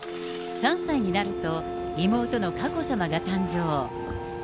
３歳になると、妹の佳子さまが誕生。